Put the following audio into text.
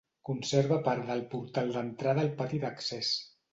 Conserva part del portal d'entrada al pati d'accés.